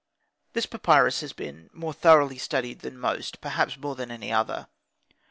This papyrus has been more thoroughly studied than most, perhaps more than any other.